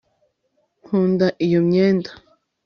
nkunda iyo myenda